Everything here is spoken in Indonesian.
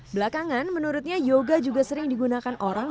belakangan menurutnya yoga juga sering digunakan orang